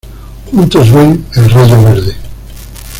Juntos ven "El rayo verde".